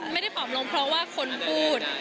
ไม่ได้ปลอบลงเพราะว่าคนพูด